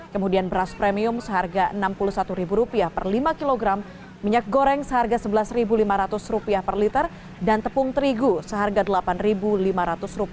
kemudian beras premium seharga rp enam puluh satu per lima kilogram minyak goreng seharga rp sebelas lima ratus per liter dan tepung terigu seharga rp delapan lima ratus